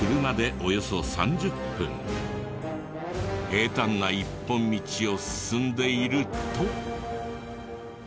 平坦な一本道を進んでいると。